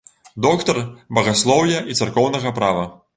Доктар багаслоўя і царкоўнага права.